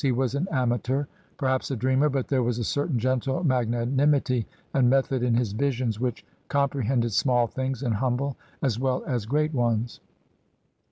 He was an amateur, per haps a dreamer — but there was a certain gentle magnanimity and method in his visions which com prehended small things and humble as well as great ones.